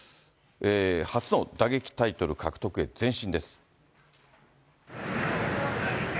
初の打撃タイトル獲得へ前進です。